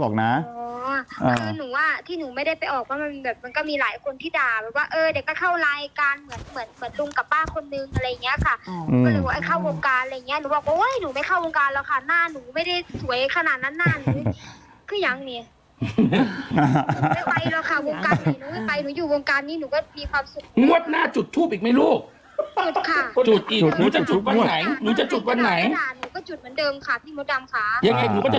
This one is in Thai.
เจ้ามือก็ได้ผลประโยชน์เยอะนะคะ